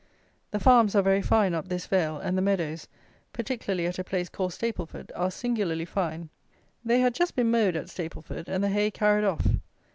The farms are very fine up this vale, and the meadows, particularly at a place called Stapleford, are singularly fine. They had just been mowed at Stapleford, and the hay carried off.